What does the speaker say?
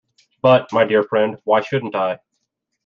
But, my dear friend, why shouldn't I?